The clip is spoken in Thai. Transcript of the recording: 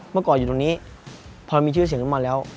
เมื่อก่อนอยู่ตรงนี้พอมีชื่อเสียงขึ้นมาแล้ว